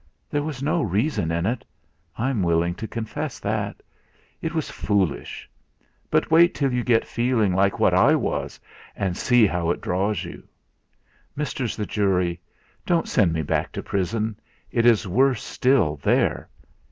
There was no reason in it, I'm willing to confess. It was foolish; but wait till you get feeling like what I was, and see how it draws you. Misters the jury, don't send me back to prison; it is worse still there.